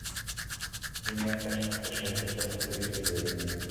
তিনি এন্ডারসনকে সাহিত্যের সাথে পরিচয় করিয়ে দেন।